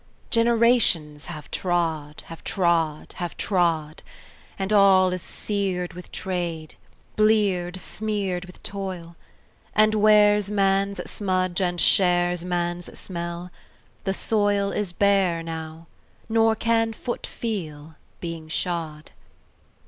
Generations have trod, have trod, have trod; And all is seared with trade; bleared, smeared with toil; And wears man's smudge and shares man's smell: the soil Is bare now, nor can foot feel, being shod.